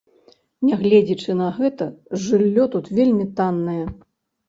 Нягледзячы на гэта, жыллё тут вельмі таннае.